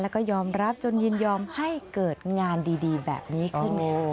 แล้วก็ยอมรับจนยินยอมให้เกิดงานดีแบบนี้ขึ้นค่ะ